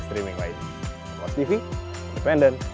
sekarang gajian kita untuk